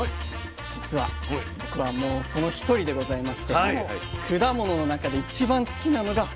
じつは僕はもうその一人でございまして果物の中で一番好きなのがなしと。